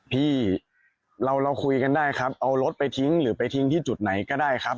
พี่เราคุยกันได้ครับเอารถไปทิ้งหรือไปทิ้งที่จุดไหนก็ได้ครับ